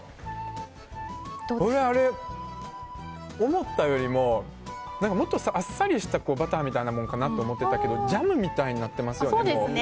思ったよりももっとあっさりしたバターみたいなものかと思ったけどジャムみたいになってますよね。